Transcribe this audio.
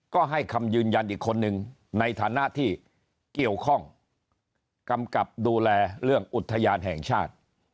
ก็ให้คำยืนยันอีกคนนึงในฐานะที่เกี่ยวข้องกำกับดูแลเรื่องอุทยานแห่งชาติ